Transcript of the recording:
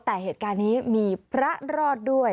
แต่เหตุการณ์นี้มีพระรอดด้วย